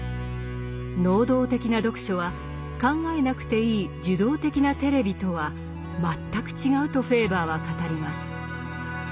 能動的な読書は考えなくていい受動的なテレビとは全く違うとフェーバーは語ります。